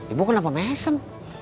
ibu kenapa mesem